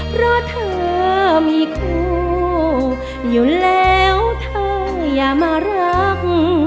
เพราะเธอมีคู่อยู่แล้วเธออย่ามารัก